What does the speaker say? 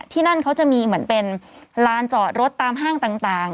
ที่นั่นเขาจะมีเหมือนเป็นลานจอดรถตามห้างต่าง